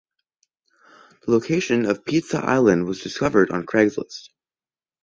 The location of Pizza Island was discovered on Craigslist.